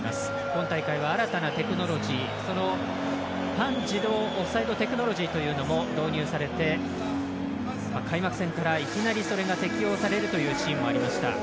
今大会は新たなテクノロジーその半自動オフサイドテクノロジーも導入されて、開幕戦からいきなりそれが適用されるというシーンもありました。